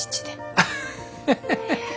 アハハハハ。